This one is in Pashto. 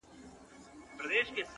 • چا مي وویل په غوږ کي,